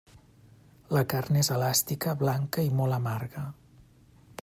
La carn és elàstica, blanca i molt amarga.